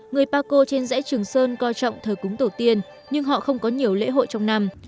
người paco trên dãy trường sơn coi trọng thờ cúng tổ tiên nhưng họ không có nhiều lễ hội trong năm